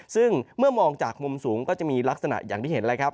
ซึ่งเมื่อมองจากมุมสูงก็จะมีลักษณะอย่างที่เห็นแล้วครับ